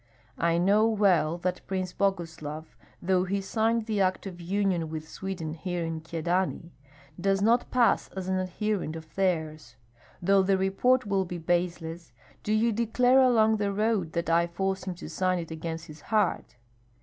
I know well that Prince Boguslav, though he signed the act of union with Sweden here in Kyedani, does not pass as an adherent of theirs. Though the report will be baseless, do you declare along the road that I forced him to sign it against his heart.